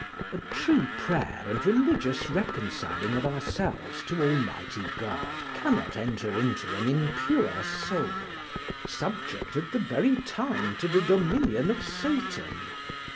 A true prayer and religious reconciling of ourselves to Almighty God cannot enter into an impure soul, subject at the very time to the dominion of Satan.